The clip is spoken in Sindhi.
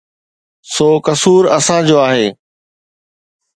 سو قصور اسان جو آهي.